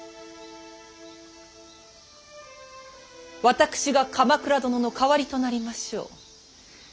私が鎌倉殿の代わりとなりましょう。